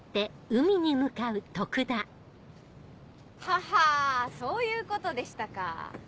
ははぁそういうことでしたか。